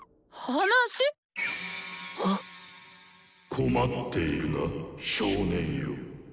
困っているな少年よ。